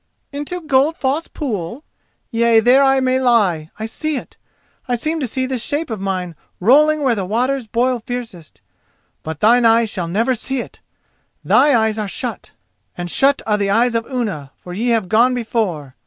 "Into Goldfoss pool?—yea, there I may lie. I see it!—I seem to see this shape of mine rolling where the waters boil fiercest—but thine eyes shall never see it! Thy eyes are shut, and shut are the eyes of Unna, for ye have gone before!